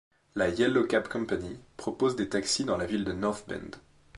La Yellow Cab company propose des taxis dans la ville de North Bend.